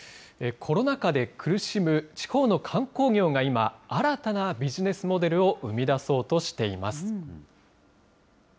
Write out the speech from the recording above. コロナ禍で苦しむ地方の観光業が今、新たなビジネスモデルを生み出そうとしています。